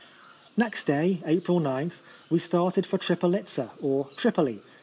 Next day (April 9) we started for Tripolitza (or Tripoli).